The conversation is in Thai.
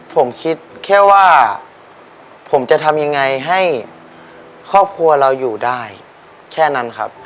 ผมคิดแค่ว่าผมจะทำยังไงให้ครอบครัวเราอยู่ได้แค่นั้นครับ